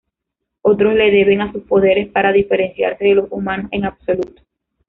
Otros le deben a sus poderes para diferenciarse de los humanos en absoluto.